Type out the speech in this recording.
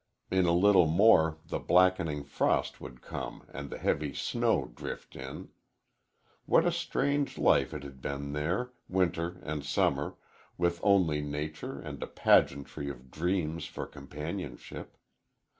In a little more the blackening frost would come and the heavy snow drift in. What a strange life it had been there, winter and summer, with only nature and a pageantry of dreams for companionship.